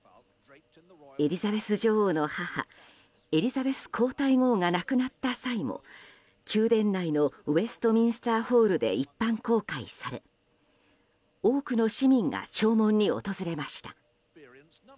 エリザベス女王の母エリザベス皇太后が亡くなった際も宮殿内のウェストミンスターホールで一般公開され多くの市民が弔問に訪れました。